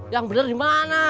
yang bener dimana